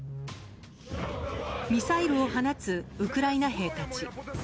ミサイルを放つウクライナ兵たち。